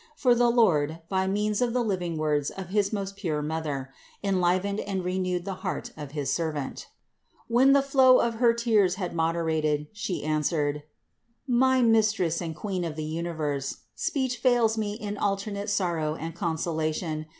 For the Lord, by means of the living words of his most pure Mother, enlivened and renewed the heart of his servant. When the flow of her tears had moderated, she answered: "My Mistress and Queen of the universe, speech fails me in alternate sorrow and consolation.